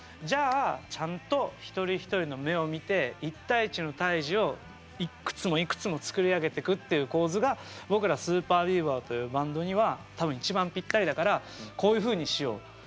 じゃあちゃんと一人一人の目を見て一対一の対峙をいくつもいくつもつくり上げてくっていう構図が僕らＳＵＰＥＲＢＥＡＶＥＲというバンドには多分一番ぴったりだからこういうふうにしようと。